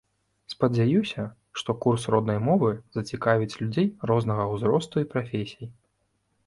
Спадзяюся, што курс роднай мовы зацікавіць людзей рознага ўзросту і прафесій.